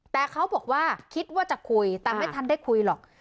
แต่เขาบอกว่าคิดว่าจะคุยแต่ไม่ทันได้คุยหรอก